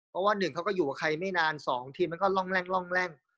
เพราะว่าหนึ่งเขาก็อยู่กับใครไม่นาน๒ทีมันก็ร่องแร่ง